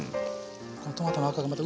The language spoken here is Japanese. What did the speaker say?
このトマトの赤がまた。